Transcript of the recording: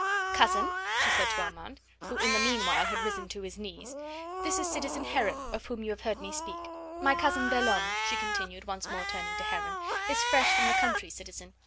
"Cousin," she said to Armand, who in the meanwhile had risen to his knees, "this is citizen Heron, of whom you have heard me speak. My cousin Belhomme," she continued, once more turning to Heron, "is fresh from the country, citizen.